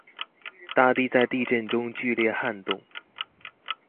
大地在地震中劇烈撼動